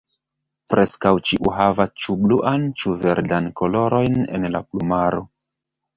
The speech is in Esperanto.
Preskaŭ ĉiu havas ĉu bluan ĉu verdan kolorojn en la plumaro.